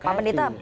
oke pak pendeta